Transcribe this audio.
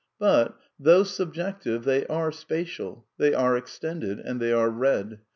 But, though subjective, they are spatial, they are extended, and they are red.